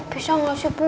bisa gak sih bu